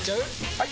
・はい！